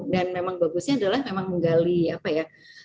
dan memang bagusnya adalah memang menggali apa ya